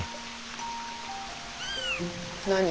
何？